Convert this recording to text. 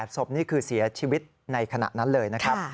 ศพนี่คือเสียชีวิตในขณะนั้นเลยนะครับ